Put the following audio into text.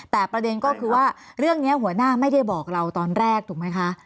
แต่ประเด็นก็คือว่าเรื่องนี้หัวหน้าไม่ได้บอกเราตอนแรกถูกไหมคะ